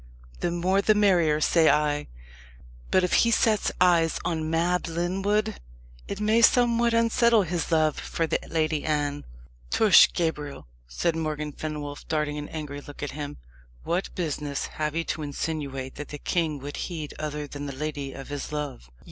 The more the merrier, say I. But if he sets eyes on Mab Lyndwood it may somewhat unsettle his love for the Lady Anne." "Tush, Gabriel!" said Morgan Fenwolf, darting an angry look at him. "What business have you to insinuate that the king would heed other than the lady of his love?"